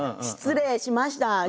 失礼しました。